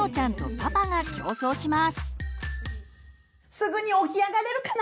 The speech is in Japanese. すぐにおきあがれるかな？